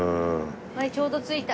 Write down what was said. はいちょうど着いた。